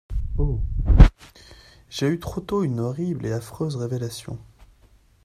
Oh! j’ai eu trop tôt une horrible et affreuse révélation.